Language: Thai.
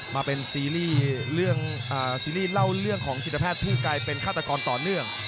มาเป็นซีรีส์เล่าเรื่องของจีตแพทย์ผู้กลายเป็นฆาตกรต่อเนื่อง